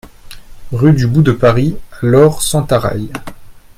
Rue du Bout de Paris à Lorp-Sentaraille